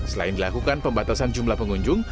selain dilakukan pembatasan jumlah pengunjung